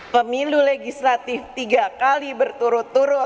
pemilu legislatif tiga kali berturut turut